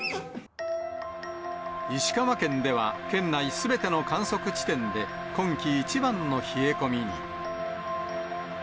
石川県では、県内すべての観測地点で今季一番の冷え込みに。